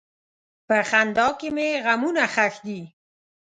په خندا کې مې غمونه ښخ دي.